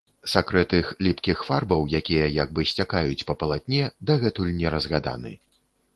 Сакрэт іх ліпкіх фарбаў, якія як бы сцякаюць па палатне, дагэтуль не разгаданы.